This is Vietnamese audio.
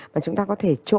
mà chúng ta có thể trộn